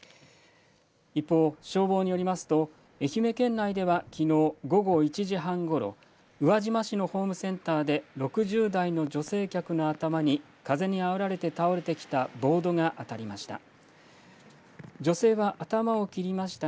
一方、消防によりますと愛媛県内ではきのう午後１時半ごろ、宇和島市のホームセンターで６０代の女性客の頭に風にあおられて倒れてきたボードが当たりました。